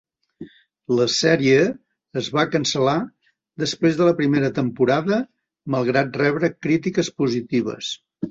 La sèrie es va cancel·lar després de la primera temporada malgrat rebre crítiques positives.